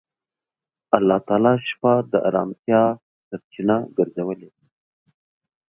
الله تعالی شپه د آرامتیا سرچینه ګرځولې.